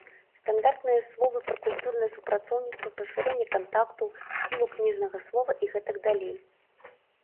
Стандартныя словы пра культурнае супрацоўніцтва, пашырэнне кантактаў, сілу кніжнага слова і гэтак далей.